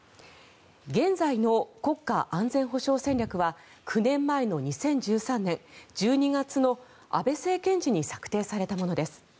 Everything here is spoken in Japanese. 現在の国家安全保障戦略は９年前の２０１３年１２月の安倍政権時に策定されたものです。